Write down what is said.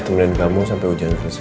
ya saya temenin kamu sampai hujan selesai